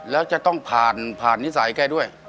แล้วจะต้องผ่านผ่านนิสัยแกด้วย